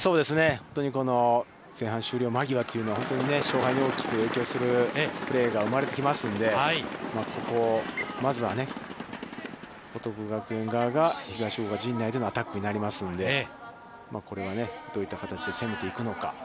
本当に前半終了間際というのは、本当に勝敗に大きく影響するプレーが生まれてきますので、ここをまずはね、報徳学園側が東福岡陣内でのアタックになりますので、これはね、どういった形で攻めていくのか。